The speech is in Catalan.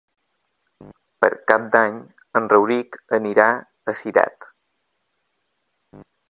Per Cap d'Any en Rauric anirà a Cirat.